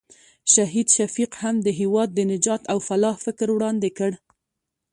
شهید شفیق هم د هېواد د نجات او فلاح فکر وړاندې کړ.